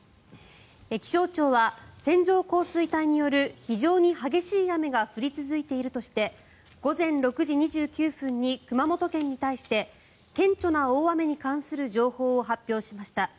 気象庁は線状降水帯による非常に激しい雨が降り続いているとして午前６時２９分に熊本県に対して顕著な大雨に関する情報を発表しました。